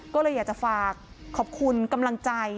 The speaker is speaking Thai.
ก็เลยอยากจะฝากขอบคุณกำลังใจ